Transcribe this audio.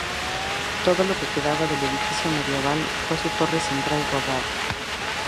Todo lo que quedaba del edificio medieval fue su torre central ronda.